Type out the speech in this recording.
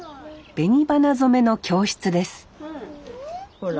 紅花染めの教室ですほら。